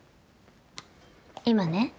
今ね